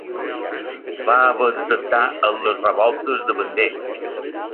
Va haver de tractar amb les revoltes de Vendée.